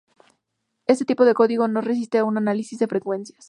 Este tipo de código no resiste a un análisis de frecuencias.